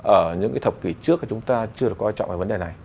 ở những thập kỷ trước chúng ta chưa có quan trọng về vấn đề này